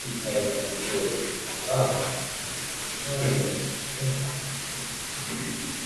During this service, Fruits was cut off from his company.